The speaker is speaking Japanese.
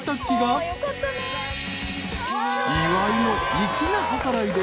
［岩井の粋な計らいで］